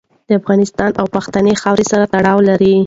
د افغانستان او پښتنې خاورې سره تړلې